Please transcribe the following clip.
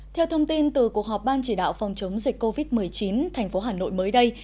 theo thông tin từ cuộc họp ban chỉ đạo phòng chống dịch covid một mươi chín thành phố hà nội mới đây